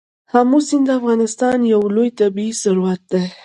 آمو سیند د افغانستان یو لوی طبعي ثروت دی.